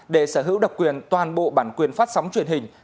để sở hữu đặc quyền toàn bộ bản quyền phát sóng truyền hình